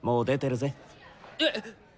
えっ！？